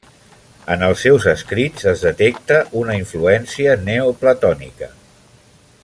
En els seus escrits es detecta una influència neoplatònica.